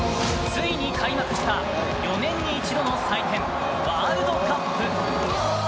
ついに開幕した４年に一度の祭典ワールドカップ。